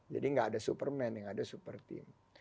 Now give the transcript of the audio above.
jadi gak ada superman gak ada super team